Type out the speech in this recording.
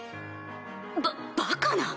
ババカな！